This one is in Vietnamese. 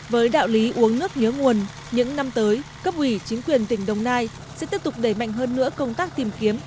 với đạo lý uống nước nhớ nguồn những năm tới cấp ủy chính quyền tỉnh đồng nai sẽ tiếp tục đẩy mạnh hơn nữa công tác tìm kiếm